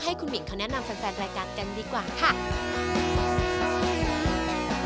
ให้คุณหมิ่งเขาแนะนำแฟนรายการกันดีกว่าค่ะ